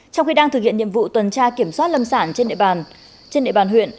trong khi đang thực hiện nhiệm vụ tuần tra kiểm soát lâm sản trên địa bàn huyện